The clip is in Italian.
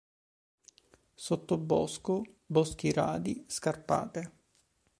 Sottobosco, boschi radi, scarpate.